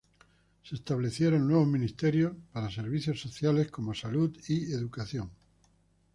Se establecieron nuevos ministerios para servicios sociales como salud y educación.